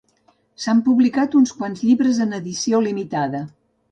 S'han publicat uns quants llibres en edició limitada.